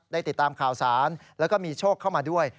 ติดตามข่าวสารแล้วก็มีโชคเข้ามาด้วย